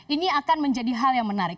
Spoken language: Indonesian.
ini akan menjadi hal yang menarik